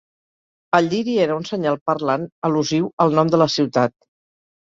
El lliri era un senyal parlant al·lusiu al nom de la ciutat.